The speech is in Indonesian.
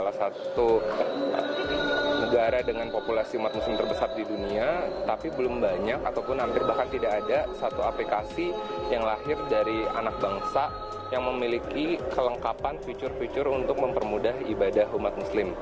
salah satu negara dengan populasi umat muslim terbesar di dunia tapi belum banyak ataupun hampir bahkan tidak ada satu aplikasi yang lahir dari anak bangsa yang memiliki kelengkapan fitur fitur untuk mempermudah ibadah umat muslim